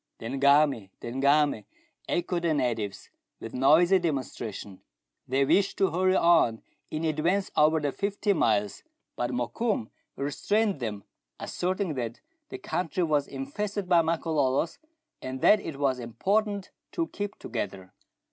'' The Ngami ! the Ngami !" echoed the natives, with noisy demonstration. They wished to hurry on in advance over the fifteen miles, but Mokoum restrained them, asserting that the country was infested by Makololos, and that it was important to keep together.